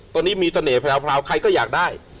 ตอนนี้มีเสน่หราวใครก็อยากได้